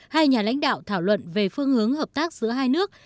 hai nhà lãnh đạo thảo luận về phương hướng hợp tác giữa hai nước